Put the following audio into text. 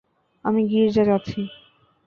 আমি গির্জা যাচ্ছি।